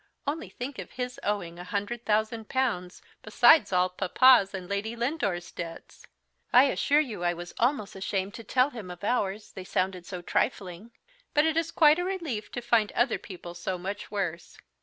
Only think of his owing a hundred thousand pounds, besides all papa's and Lady Lindore's debts! I assure you I was almost ashamed to tell him of ours, they sounded so trifling; but it is quite a relief to find other people so much worse.